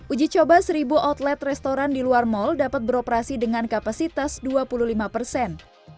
uji coba seribu outlet restoran di luar mall dapat beroperasi dengan kapasitas dua puluh lima persen